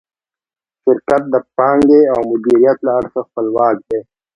شرکت د پانګې او مدیریت له اړخه خپلواک دی.